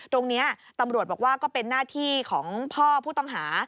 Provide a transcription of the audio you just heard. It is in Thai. ตรงนี้ตำรวจบอกว่าก็เป็นหน้าที่ของพ่อผู้ต้องหา